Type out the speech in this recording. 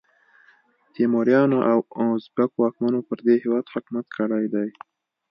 تیموریانو او ازبک واکمنو پر دې هیواد حکومت کړی دی.